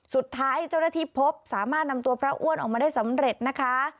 สุดท้ายเจ้าหน้าที่พบสามารถนำตัวพระอ้วนออกมาได้สำเร็จนะคะ